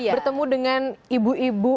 bertemu dengan ibu ibu